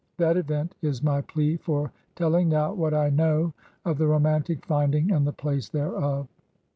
That event is my plea for teUing now what I know of the romantic finding and the place thereof.